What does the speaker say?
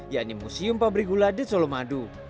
yaitu museum pabrik gula the colomadu